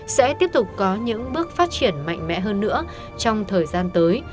sẽ tiếp tục có những bước phát triển mạnh mẽ hơn nữa trong thời gian tới